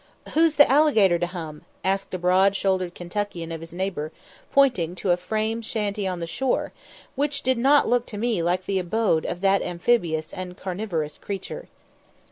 "Who's the alligator to hum?" asked a broad shouldered Kentuckian of his neighbour, pointing to a frame shanty on the shore, which did not look to me like the abode of that amphibious and carnivorous creature.